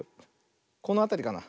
このあたりかな。